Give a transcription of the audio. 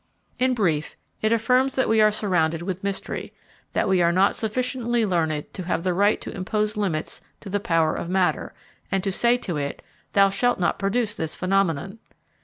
In brief, it affirms that we are surrounded with mystery, that we are not sufficiently learned to have the right to impose limits to the power of matter, and to say to it: "Thou shalt not produce this phenomenon."